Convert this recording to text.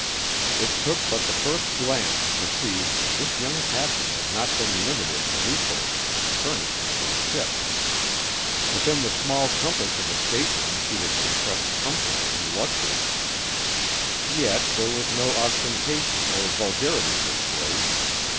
It took but the first glance to perceive that this young captain had not been limited in resources in the furnishing of his ship. Within the small compass of a stateroom he had compressed comfort and luxury. Yet there was no ostentation or vulgarity displayed.